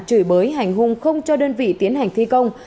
chửi bới hành hung không cho đơn vị tiến hành thi công